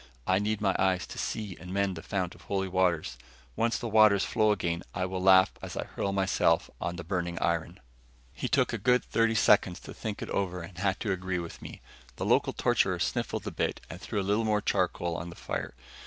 I need my eyes to see and mend the Fount of Holy Waters. Once the waters flow again, I will laugh as I hurl myself on the burning iron." He took a good thirty seconds to think it over and had to agree with me. The local torturer sniffled a bit and threw a little more charcoal on the fire.